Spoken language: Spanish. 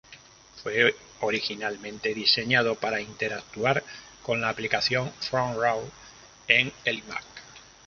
Fue originalmente diseñado para interactuar con la aplicación Front Row en el iMac.